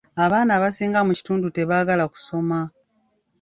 Abaana abasinga mu kitundu tebaagala kusoma.